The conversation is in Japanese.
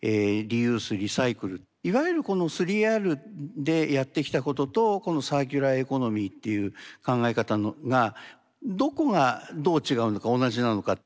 いわゆるこの３Ｒでやってきたこととこのサーキュラーエコノミーっていう考え方がどこがどう違うのか同じなのか。